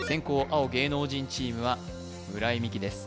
青芸能人チームは村井美樹です